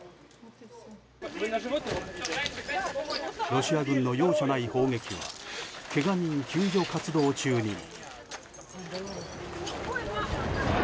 ロシア軍の容赦ない砲撃はけが人救助活動中にも。